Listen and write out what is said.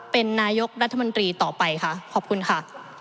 เป็นนายกรัฐมนตรีต่อไปค่ะขอบคุณค่ะ